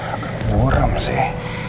agak buram sih